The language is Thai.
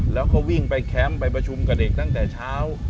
แล้วก็วิ่งไปแคมป์ไปประชุมกับเด็กตั้งแต่เช้า